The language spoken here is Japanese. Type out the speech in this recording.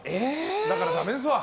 だから、だめですわ。